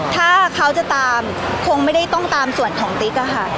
ถ้าเขาจะตามคงไม่ได้ต้องตามส่วนของติ๊กอะค่ะ